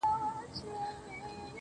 څوک د مئين سره په نه خبره شر نه کوي~